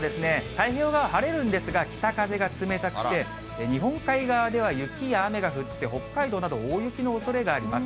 週間予報を見てみると、今週末は太平洋側、晴れるんですが、北風が冷たくて、日本海側では雪や雨が降って、北海道など大雪のおそれがあります。